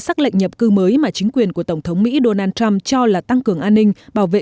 xác lệnh nhập cư mới mà chính quyền của tổng thống mỹ donald trump cho là tăng cường an ninh bảo vệ